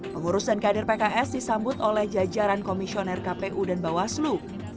pengurus dan kader pks disambut oleh jajaran komisioner kpu dan bawaslu